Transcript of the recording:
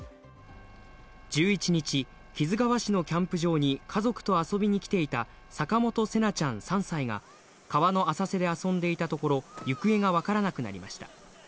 １１日、木津川市のキャンプ場に家族と遊びに来ていた坂本聖凪ちゃん、３歳が川の浅瀬で遊んでいたところ、行方がわからなくなりました。